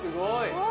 うわ。